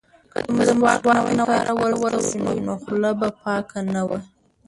که مسواک نه وای کارول شوی نو خوله به پاکه نه وه.